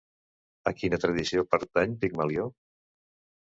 A quina tradició pertany Pigmalió?